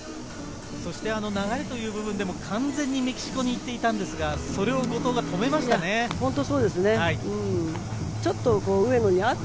流れという部分でも完全にメキシコにいっていましたが、後藤がそれを止めましたね。